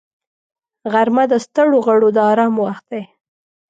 غرمه د ستړو غړو د آرام وخت دی